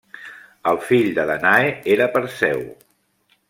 El fill de Dànae era Perseu.